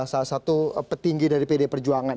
salah satu petinggi dari pd perjuangan